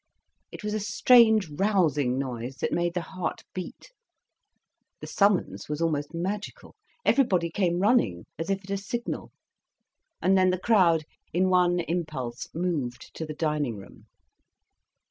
It was a strange rousing noise, that made the heart beat. The summons was almost magical. Everybody came running, as if at a signal. And then the crowd in one impulse moved to the dining room.